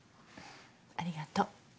ありがとう。